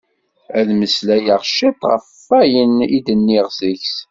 Ad mmeslayeɣ cit ɣef wayen i d-nniɣ deg-s.